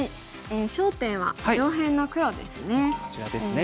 焦点は上辺の黒ですね。